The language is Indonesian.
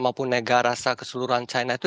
maupun negarasa keseluruhan china itu